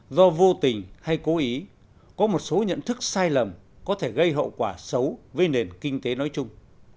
do vô tình hay cố ý có một số nhận thức sai lầm có thể gây hậu quả xấu với nền kinh tế nói chung